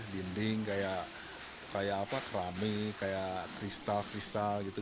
dinding kayak apa kerami kayak kristal kristal gitu